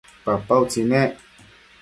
papa utsi nec